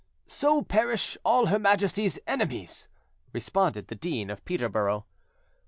"So perish all Her Majesty's enemies!" responded the Dean of Peterborough.